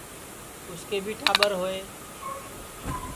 اُسکے بھی ٹاٻر ہوئے